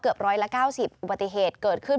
ร้อยละ๙๐อุบัติเหตุเกิดขึ้น